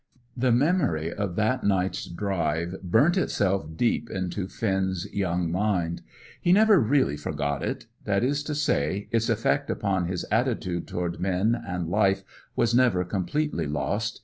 The memory of that night's drive burnt itself deep into Finn's young mind. He never really forgot it; that is to say, its effect upon his attitude toward men and life was never completely lost.